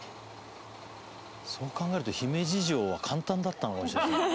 「そう考えると姫路城は簡単だったのかもしれない」